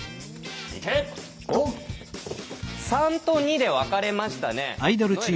３と２で分かれましたね。